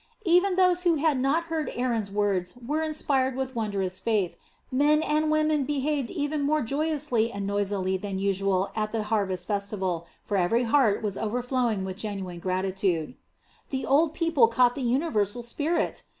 Even those who had not heard Aaron's words were inspired with wondrous faith; men and women behaved even more joyously and noisily than usual at the harvest festival, for every heart was overflowing with genuine gratitude. "The old people caught the universal spirit!